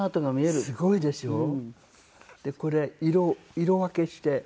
でこれ色分けして。